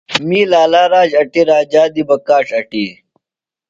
می لا لا راج اٹی، راجہ دےۡ بہ کاڇ اٹی